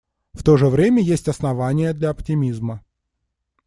В то же время есть основания для оптимизма.